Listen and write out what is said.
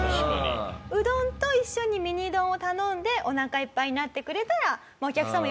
うどんと一緒にミニ丼を頼んでおなかいっぱいになってくれたらお客さんも喜ぶかな。